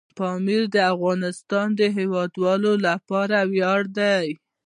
پامیر د افغانستان د هیوادوالو لپاره ویاړ دی.